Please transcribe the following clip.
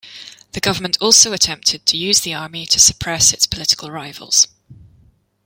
The government also attempted to use the army to suppress its political rivals.